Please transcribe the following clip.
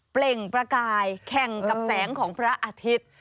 เปล่งประกายแข่งกับแสงของพระอาทิตย์